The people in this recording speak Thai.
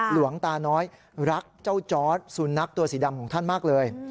หลวงตาน้อยรักเจ้าจอร์ดสุนัขตัวสีดำของท่านมากเลย